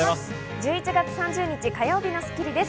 １１月３０日、火曜日の『スッキリ』です。